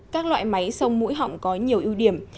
các loại máy sông mũi họng có nhiều ưu điểm